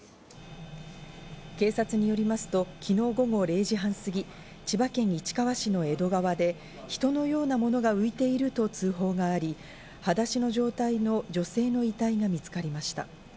警察によりますと、昨日午後０時半すぎ、千葉県市川市の江戸川で人のようなものが浮いていると通報があり、はだしの状態の女性の遺体が見つかりました。